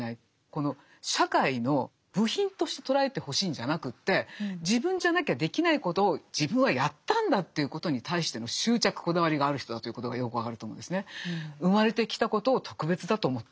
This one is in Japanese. この社会の部品として捉えてほしいんじゃなくて自分じゃなきゃできないことを自分はやったんだということに対しての執着こだわりがある人だということがよく分かると思うんですね。